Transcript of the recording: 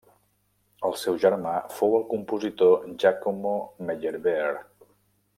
El seu germà fou el compositor Giacomo Meyerbeer.